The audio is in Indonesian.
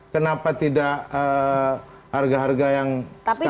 kenapa tidak harga harga yang sekarang